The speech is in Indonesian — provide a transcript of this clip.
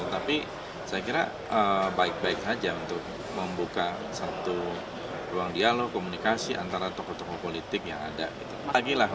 tapi saya kira baik baik saja untuk membuka satu ruang dialog komunikasi antara tokoh tokoh politik yang ada